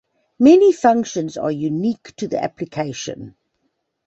Many functions are unique to the application.